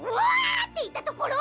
ッていったところ？